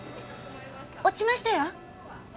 落ちましたよ？